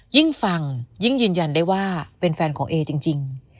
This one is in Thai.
ยิ่งฟังยิ่งยืนยันได้ว่าเป็นแฟนของเอจริง